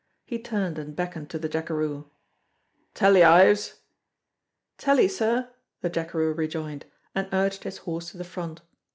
He turned and beckoned to the jackeroo. "Tally, Ives!" "Tally, sir," the jackeroo rejoined, and urged his horse to the front.